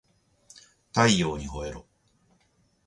太陽にほえろ